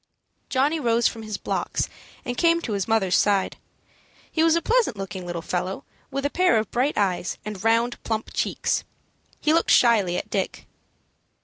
Johnny rose from his blocks, and came to his mother's side. He was a pleasant looking little fellow, with a pair of bright eyes, and round, plump cheeks. He looked shyly at Dick.